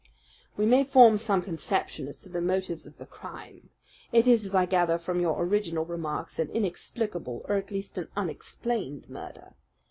"We may form some conception as to the motives of the crime. It is, as I gather from your original remarks, an inexplicable, or at least an unexplained, murder.